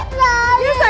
pelan pelan kamu ya